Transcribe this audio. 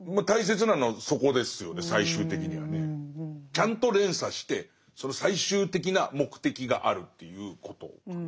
ちゃんと連鎖して最終的な目的があるということかな。